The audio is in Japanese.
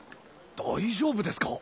大丈夫ですか？